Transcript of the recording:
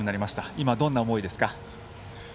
今、どんな思いですか？